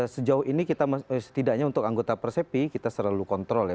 sejauh ini kita setidaknya untuk anggota persepi kita selalu kontrol ya